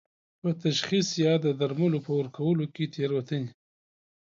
په تشخیص یا د درملو په ورکولو کې تېروتنې